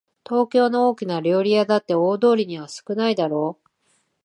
東京の大きな料理屋だって大通りには少ないだろう